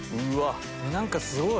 何かすごい！